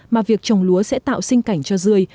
mà việc trồng lúa sẽ tạo sinh cảnh cho dươi